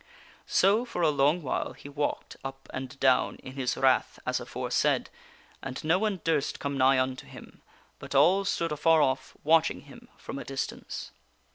So, for a long while, he walked up and down in his wrath as aforesaid, and no one durst come nigh unto him, but all stood afar off, watching him from a distance.